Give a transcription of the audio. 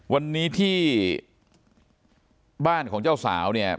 วันนี้ที่บ้านของเจ้าสาวเนี่ย